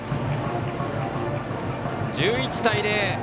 １１対０。